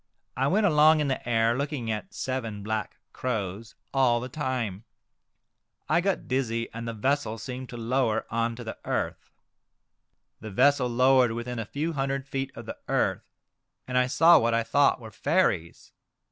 I went along in the air, looking at seven black crows all the Crows. 29 time. I got dizzy, and the vessel seemed to lower on to the earth. The vessel lowered within a few hundred feet of the earth, and I saw what I thought were fairies.